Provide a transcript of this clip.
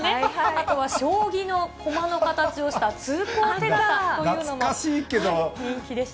あとは将棋の駒の形をした通行手形というのも人気でした。